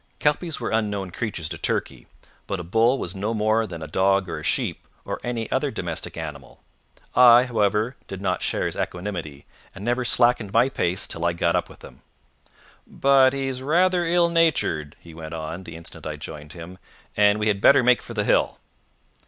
Kelpies were unknown creatures to Turkey, but a bull was no more than a dog or a sheep, or any other domestic animal. I, however, did not share his equanimity, and never slackened my pace till I got up with him. "But he's rather ill natured," he went on, the instant I joined him, "and we had better make for the hill."